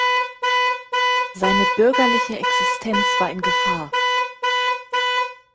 Seine bürgerliche Existenz war in Gefahr.